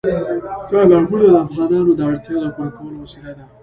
تالابونه د افغانانو د اړتیاوو پوره کولو وسیله ده.